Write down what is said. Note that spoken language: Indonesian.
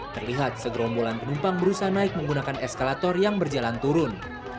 terlihat segerombolan penumpang berusaha naik menggunakan eskalator yang berjalan turun